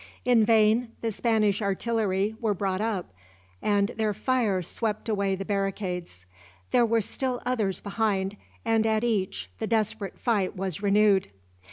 In vain the Spanish artillery were brought up, and their fire swept away the barricades; there were still others behind, and at each the desperate fight was renewed.